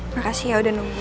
makasih ya udah nungguin